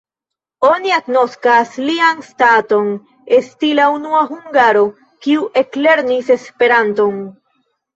Oni agnoskas lian staton esti la unua hungaro, kiu eklernis Esperanton.